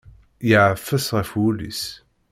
Yeɛfes ɣef wul-is.